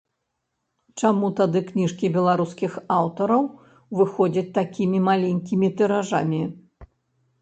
Чаму тады кніжкі беларускіх аўтараў выходзяць такімі маленькімі тыражамі?